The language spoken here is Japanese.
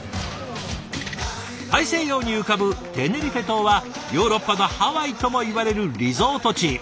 大西洋に浮かぶテネリフェ島はヨーロッパのハワイともいわれるリゾート地。